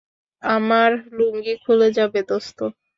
আমার লুঙ্গি খুলে যাবে, দোস্ত।